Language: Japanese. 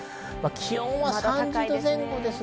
気温は３０度前後です。